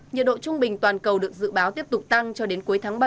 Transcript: nhiệt độ trung bình toàn cầu được dự báo tiếp tục tăng cho đến cuối tháng bảy